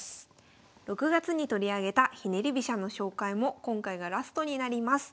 ６月に取り上げたひねり飛車の紹介も今回がラストになります。